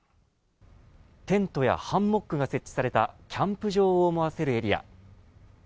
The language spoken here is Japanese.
テントやハンモックが設置されたキャンプ場を思わせるエリア。